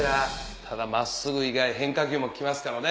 ただ真っすぐ以外変化球も来ますからね。